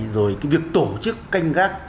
rồi cái việc tổ chức canh gác